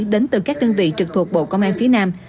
đến từ các đơn vị trực thuộc bộ công an phía nam